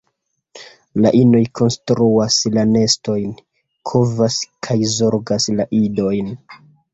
La inoj konstruas la nestojn, kovas kaj zorgas la idojn.